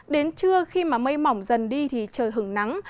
đến trưa khi mà mây mỏng dần đi thì trời hứng nắng